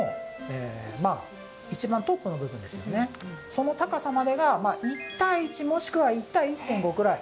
その高さまでが１対１もしくは１対１．５くらい。